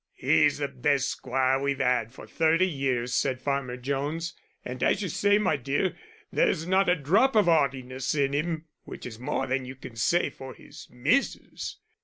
"'E's the best squire we've 'ad for thirty years," said Farmer Jones, "and, as you say, my dear, there's not a drop of 'aughtiness in 'im which is more than you can say for his missus."